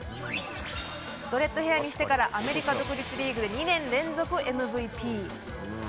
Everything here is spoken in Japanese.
ドレッドヘアにしてからアメリカ独立リーグで２年連続ＭＶＰ！